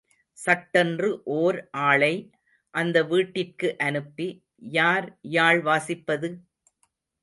சட்டென்று ஓர் ஆளை அந்த வீட்டிற்கு அனுப்பி, யார் யாழ் வாசிப்பது?